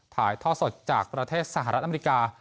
ถ่ายท่อสดจากประเทศสหรัฐอเมริกา